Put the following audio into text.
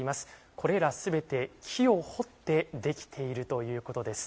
これらすべて木を彫ってできているということです。